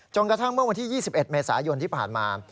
กระทั่งเมื่อวันที่๒๑เมษายนที่ผ่านมา